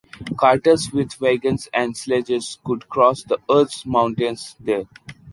Carters with wagons and sledges could cross the Erz Mountains there.